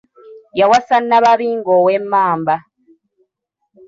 Yawasa Nnababinge ow'Emmamba.